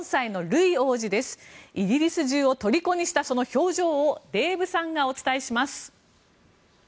イギリス中をとりこにしたその表情をデーブさんがお伝えします。